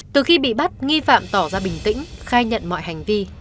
từ khi bị bắt nghi phạm tỏ ra bình tĩnh khai nhận mọi hành vi